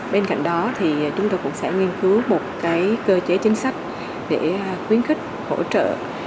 bên cạnh đó thì chúng tôi cũng sẽ nghiên cứu một cơ chế chính sách để khuyến khích hỗ trợ